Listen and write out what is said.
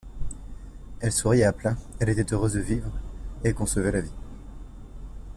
Elle souriait à plein, elle était heureuse de vivre, et concevait la vie.